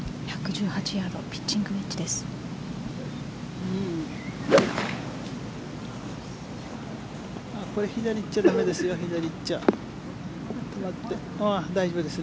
１１１ヤードピッチングウェッジです。